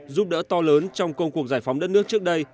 giúp đỡ to lớn trong công cuộc giải phóng đất nước trước đây